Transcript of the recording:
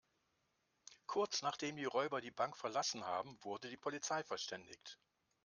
Kurz, nachdem die Räuber die Bank verlassen haben, wurde die Polizei verständigt.